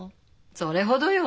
それほどよ。